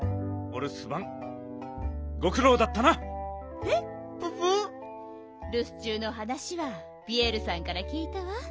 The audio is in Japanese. るす中のはなしはピエールさんからきいたわ。